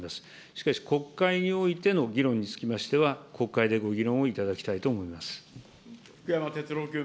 しかし、国会においての議論につきましては、国会でご議論をいた福山哲郎君。